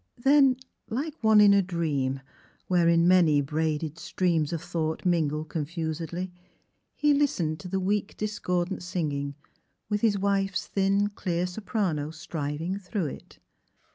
Then like one in a dream, wherein many braided streams of thought mingle confusedly, he listened to the weak discordant singing, with his wife's thin, clear soprano striving through it.